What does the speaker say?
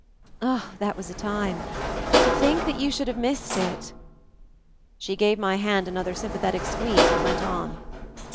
Ah! that was a time! To think that you should have missed it!" She gave my hand another sympathetic squeeze and went on.